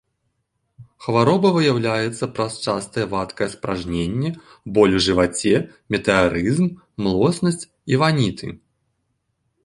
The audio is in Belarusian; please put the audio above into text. Хвароба выяўляецца праз частае вадкае спаражненне, боль у жываце, метэарызм, млоснасць і ваніты.